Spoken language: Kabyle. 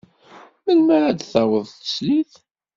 Melmi ara d-taweḍ teslit?